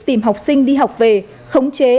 tìm học sinh đi học về khống chế